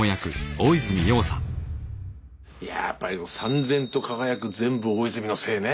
いややっぱりさん然と輝く「全部大泉のせい」ね。